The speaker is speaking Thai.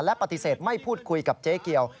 และปฏิเสธไม่พูดคุยกับเจ๊เกียว